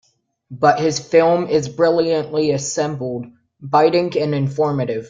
But his film is brilliantly assembled, biting and informative.